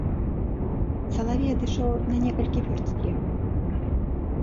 Салавей адышоў на некалькі вёрст ад яго.